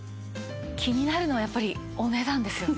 気になるのはやっぱりお値段ですよね。